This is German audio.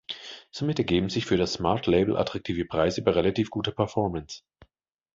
Somit ergeben sich für das Smart Label attraktive Preise bei relativ guter Performance.